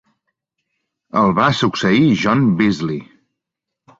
El va succeir John Beazley.